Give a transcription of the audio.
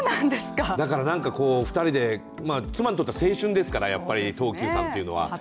だからなんか２人で、妻にとっては青春ですから、東急さんっていうのは。